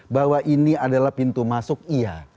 bahwa ini adalah pintu masuk iya